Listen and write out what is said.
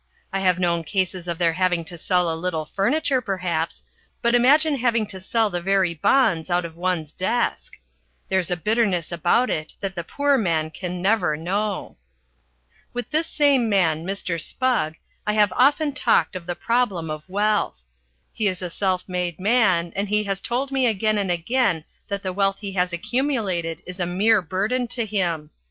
I have known cases of their having to sell a little furniture, perhaps, but imagine having to sell the very bonds out of one's desk. There's a bitterness about it that the poor man can never know. With this same man, Mr. Spugg, I have often talked of the problem of wealth. He is a self made man and he has told me again and again that the wealth he has accumulated is a mere burden to him.